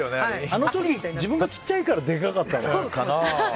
あの時、自分が小さいからデカかったんだ。